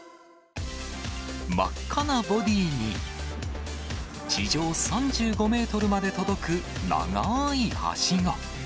真っ赤なボディーに、地上３５メートルまで届く長ーいはしご。